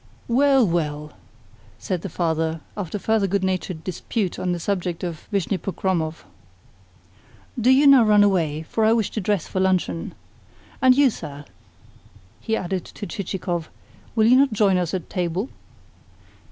"Well, well," said the father after further good natured dispute on the subject of Vishnepokromov. "Do you now run away, for I wish to dress for luncheon. And you, sir," he added to Chichikov, "will you not join us at table?"